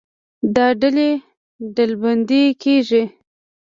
دا ډلې ډلبندي کېږي.